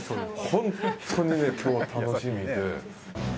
本当に今日は楽しみで。